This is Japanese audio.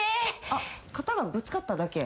あっ肩がぶつかっただけ？